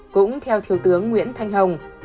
cũng theo thiếu tướng nguyễn thanh hồng